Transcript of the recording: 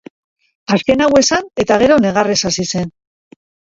Azken hau esan eta gero negarrez hasi zen.